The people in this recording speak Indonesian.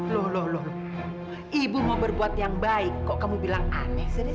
loh loh ibu mau berbuat yang baik kok kamu bilang aneh sini